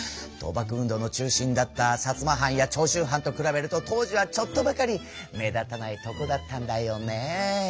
倒幕運動の中心だった薩摩藩や長州藩と比べると当時はちょっとばかり目立たないとこだったんだよね。